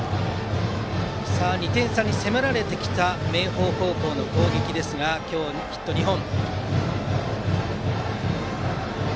２点差に迫られてきた明豊高校の攻撃ですが今日ヒット２本。